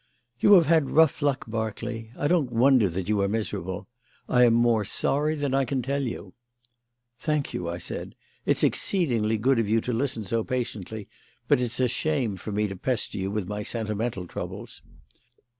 "You have had rough luck, Berkeley. I don't wonder that you are miserable. I am more sorry than I can tell you." "Thank you," I said. "It's exceedingly good of you to listen so patiently, but it's a shame for me to pester you with my sentimental troubles."